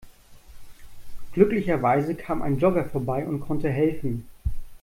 Glücklicherweise kam ein Jogger vorbei und konnte helfen.